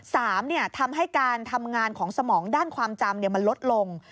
ทำให้การทำงานของสมองด้านความจำมันลดลง